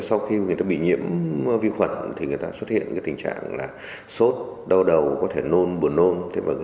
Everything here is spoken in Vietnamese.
sau khi người ta bị nhiễm vi khuẩn thì người ta xuất hiện tình trạng là sốt đau đầu có thể nôn buồn nôm